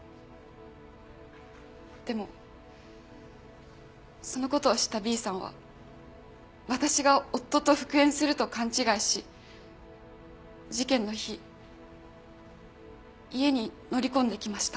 でもそのことを知ったＢさんは私が夫と復縁すると勘違いし事件の日家に乗り込んできました。